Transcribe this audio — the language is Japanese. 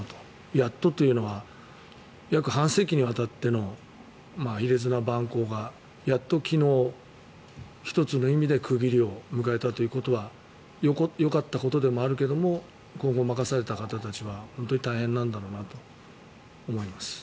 やっとというのは約半世紀にわたっての卑劣な蛮行がやっと昨日、１つの意味で区切りを迎えたということはよかったことでもあるけど今後任された方たちは本当に大変なんだろうなと思います。